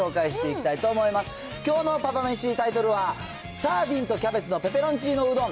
きょうのパパめし、タイトルは、サーディンとキャベツのペペロンチーノうどん。